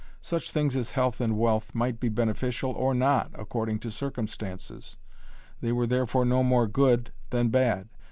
Such things as health and wealth might be beneficial or not according to circumstances; they were therefore no more good than bad.